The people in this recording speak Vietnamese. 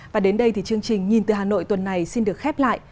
và đến đây thì chương trình nhìn từ hà nội tuần này xin được khép lại